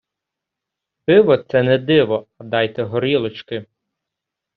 Пиво це не диво, а дайте горілочки.